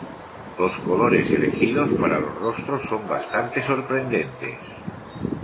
Los colores elegidos para los rostros son bastante sorprendentes.